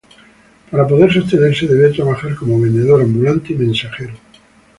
Para poder sostenerse debe trabajar como vendedor ambulante y mensajero.